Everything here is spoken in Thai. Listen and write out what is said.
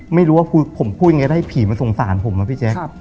ไม่รู้ว่าคือผมพูดยังไงได้ให้ผีมันสงสารผมน่ะพี่แจ๊คครับ